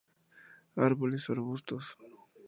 Árboles o arbustos.